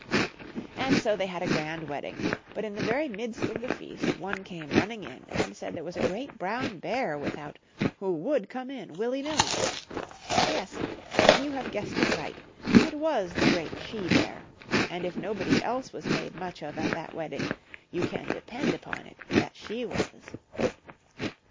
And so they had a grand wedding, but in the very midst of the feast one came running in and said there was a great brown bear without, who would come in, willy nilly. Yes, and you have guessed it right, it was the great she bear, and if nobody else was mad« much of at that wedding you can depend upon it that she was.